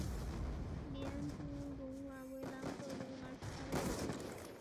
连珠绒兰为兰科绒兰属下的一个种。